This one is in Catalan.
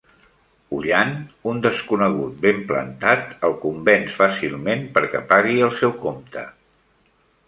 Ullant un desconegut ben plantat, el convenç fàcilment perquè pagui el seu compte.